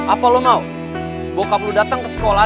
apa lo mau bokap lo datang ke sekolah